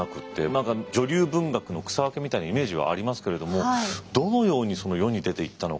何か女流文学の草分けみたいなイメージはありますけれどもどのように世に出ていったのかちょっと分かんないですね。